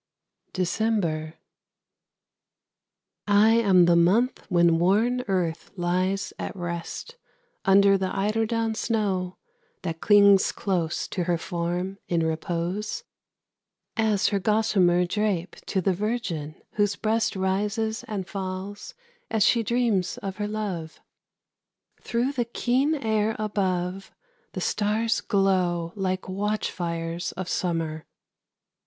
DECEMBER. I am the month when worn Earth lies at rest Under the eiderdown snow, that clings close To her form in repose, As her gossamer drape to the virgin, whose breast Rises and falls as she dreams of her love. Through the keen air above The stars glow like watch fires of summer.